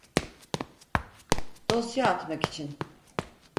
Dosya atmak için